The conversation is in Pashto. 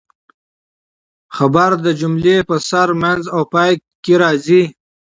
خبر د جملې په سر، منځ او پای کښي راځي.